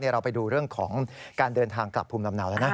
เราไปดูเรื่องของการเดินทางกลับภูมิลำเนาแล้วนะ